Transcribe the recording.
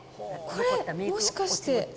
これ、もしかして。